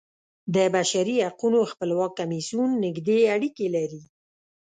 د بشري حقونو خپلواک کمیسیون نږدې اړیکې لري.